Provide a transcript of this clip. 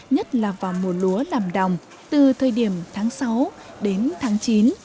nhất là vào mùa lúa làm đồng từ thời điểm tháng sáu đến tháng chín